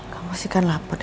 kamu sih kan lapar